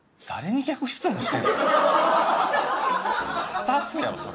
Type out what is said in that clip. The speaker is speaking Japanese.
スタッフやろそれ。